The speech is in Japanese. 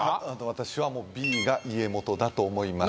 私はＢが家元だと思います